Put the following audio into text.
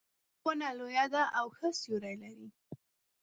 دا ونه لویه ده او ښه سیوري لري